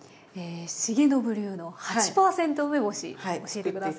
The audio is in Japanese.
重信流の８％梅干し教えて下さい。